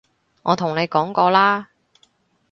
我同你講過啦